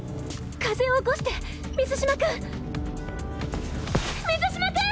風を起こして水嶋君水嶋君！